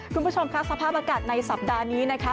คุณผู้ชมค่ะสภาพอากาศในสัปดาห์นี้นะคะ